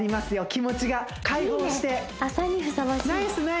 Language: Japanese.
気持ちが解放していいね！